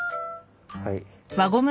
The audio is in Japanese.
はい。